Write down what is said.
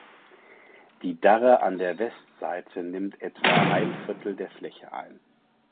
Die Darre an der Westseite nimmt etwa ein Viertel der Fläche ein.